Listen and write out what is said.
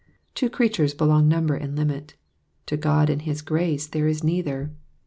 To creatures belong number and limit, to God and his grace there is neither.